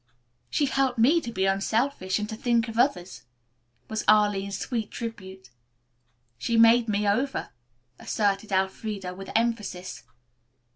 "She helped me to be unselfish and to think of others," was Arline's sweet tribute. "She made me over," asserted Elfreda with emphasis.